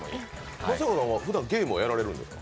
松坂さんはふだんゲームとかはやられるんですか？